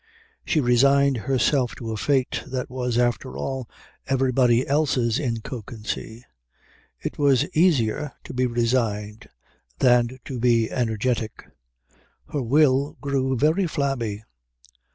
She resigned herself to a fate that was, after all, everybody else's in Kökensee. It was easier to be resigned than to be energetic. Her will grew very flabby.